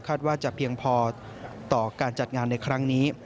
ว่าจะเพียงพอต่อการจัดงานในครั้งนี้